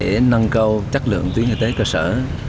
để nâng cao chất lượng tuyến y tế cơ sở